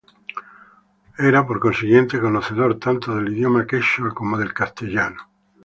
Era por consiguiente, conocedor tanto del idioma quechua como del castellano.